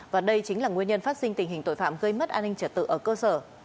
và đây chính là nguyên nhân phát sinh tình hình tội phạm gây mất an ninh trật tự ở cơ sở